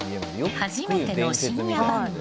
初めての深夜番組。